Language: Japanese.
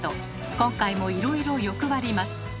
今回もいろいろ欲張ります。